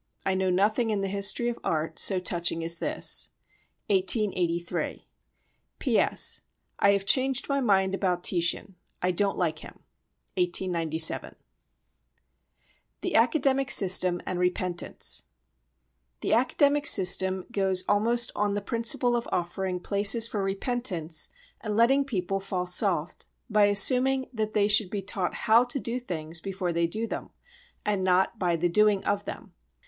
I know nothing in the history of art so touching as this. [1883.] P.S. I have changed my mind about Titian. I don't like him. [1897.] The Academic System and Repentance The academic system goes almost on the principle of offering places for repentance, and letting people fall soft, by assuming that they should be taught how to do things before they do them, and not by the doing of them.